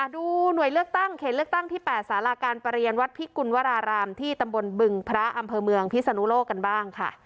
ดูหน่วยเลือกตั้งเขตเลือกตั้งที่๘สาราการประเรียนวัดพิกุลวรารามที่ตำบลบึงพระอำเภอเมืองพิศนุโลกกันบ้างค่ะ